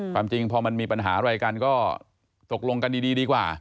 ความจริงพอมันมีปัญหาอะไรกันก็ตกลงกันดีดีกว่า